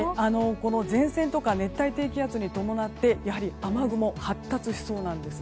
この前線とか熱帯低気圧に伴ってやはり雨雲が発達しそうなんです。